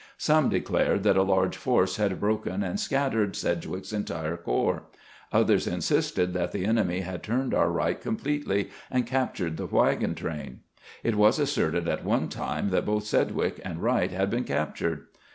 Some declared that a large force had broken and scattered Sedgwick's entire corps. Others insisted that the enemy had turned our right completely, and captured the wagon train. It was as serted at one time that both Sedgwick and Wright had been captured.